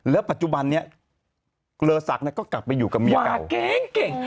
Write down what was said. แล้วปัจจุบันนี้เกลอศักดิ์ก็กลับไปอยู่กับเก่ง